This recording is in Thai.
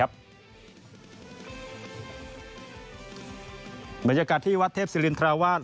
บรรยากาศที่วัดเทพศริริณพาวราช